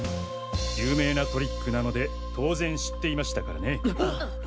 有名なトリックなので当然知っていましたからね。